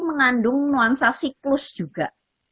mengandung nuansa siklus juga